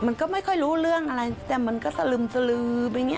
มันก็ไม่ค่อยรู้เรื่องอะไรแต่มันก็สลึมสลือไปอย่างนี้